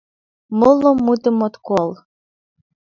Моло мутым от кол...